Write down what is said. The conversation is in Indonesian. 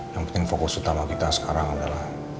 yang penting fokus utama kita sekarang adalah